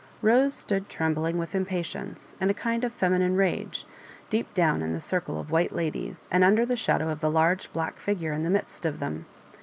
Bose stood trembling with impatience and a kind of feminine rage, deep down in the circle of white ladies, and under the shadow of the large black figure in the midst of them.